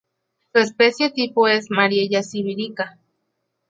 Su especie-tipo es "Mariella sibirica".